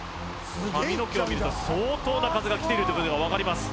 髪の毛を見ると相当な風がきているということが分かります